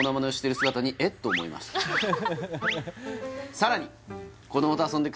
「さらに」